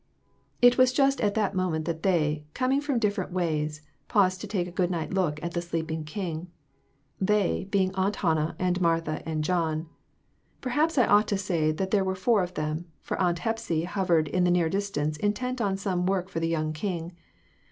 It was just at that moment that they, coming from different ways, paused to take a good night look at the sleeping king. "They," being Aunt Hannah, and Martha, and John. Perhaps I ought to say there were four of them, for Aunt Hepsy hovered in the near distance intent on some work for the young king.